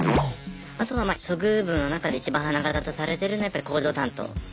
あとは処遇部の中で一番花形とされてるのはやっぱり工場担当。